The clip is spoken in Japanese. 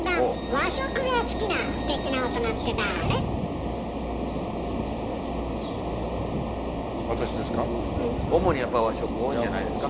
和食主にやっぱ和食多いんじゃないですか？